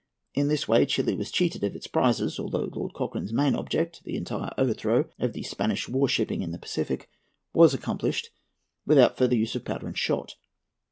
In this way Chili was cheated of its prizes, although Lord Cochrane's main object, the entire overthrow of the Spanish war shipping in the Pacific, was accomplished without further use of powder and shot.